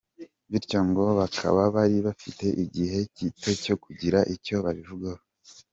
Bityo ngo bakaba bari bafite igihe gito cyo kugira icyo babivugaho.